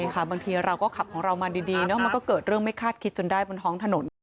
ใช่ค่ะบางทีเราก็ขับของเรามาดีเนอะมันก็เกิดเรื่องไม่คาดคิดจนได้บนท้องถนน